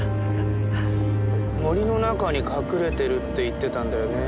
森の中に隠れてるって言ってたんだよね。